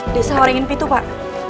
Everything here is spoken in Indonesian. desa horengin vitu pak